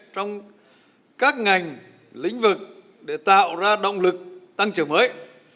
trong các ngành lĩnh vực để tạo ra động lực tăng trưởng mới